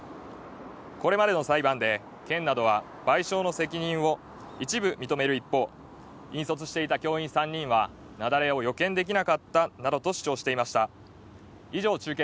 これまでの裁判で、県などは、賠償の責任を一部認める一方、引率していた教員３人は雪崩を予見できなかったなどと主張していました。